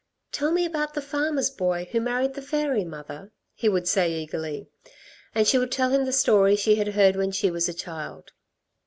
"Tell me about the farmer's boy who married the fairy, mother," he would say eagerly. And she would tell him the story she had heard when she was a child.